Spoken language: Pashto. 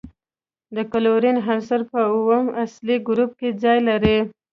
د کلورین عنصر په اووم اصلي ګروپ کې ځای لري.